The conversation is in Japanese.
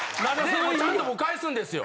ちゃんと僕返すんですよ。